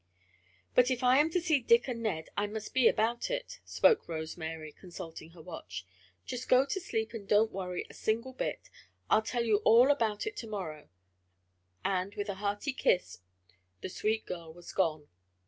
"But if I am to see Dick and Ned I must be about it," spoke Rose Mary, consulting her watch. "Just go to sleep and don't worry a single bit. I'll tell you all about it to morrow," and, with a hearty kiss, the sweet girl was gone.